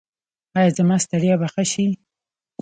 ایا زما ستړیا به ښه شي؟